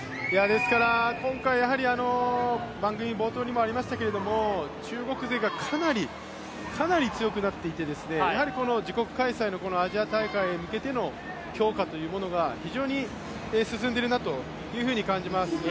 今回、番組冒頭にもありましたけど中国勢がかなり強くなっていて自国開催のアジア大会に向けての強化というものが非常に進んでるなと感じます。